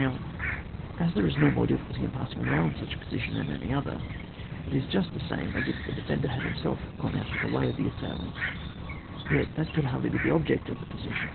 Now, as there is no more difficulty in passing round such a position than any other, it is just the same as if the defender had himself gone out of the way of the assailant, yet that could hardly be the object of the position.